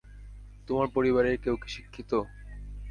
তোমার পরিবারের কেউ কী শিক্ষিত?